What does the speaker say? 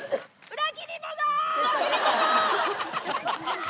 裏切り者！